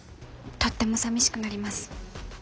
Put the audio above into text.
とってもさみしくなります。